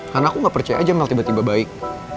kan aku gak percaya aja mel tiba tiba baik